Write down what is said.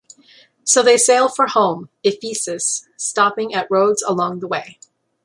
So they sail for home, Ephesus, stopping at Rhodes along the way.